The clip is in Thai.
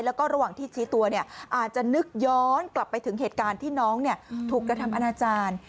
แล้วก็ระหว่างที่ชี้ตัวเนี่ยอาจจะนึกย้อนกลับไปถึงเหตุการณ์ที่น้องถูกกระทำอนาจารย์